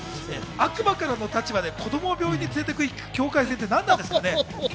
悪魔からの立場で子供を病院に連れて行く境界線って何なんですかね？